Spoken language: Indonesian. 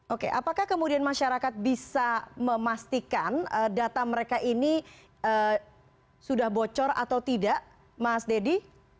oke apakah kemudian masyarakat bisa memastikan data mereka ini sudah bocor atau tidak mas deddy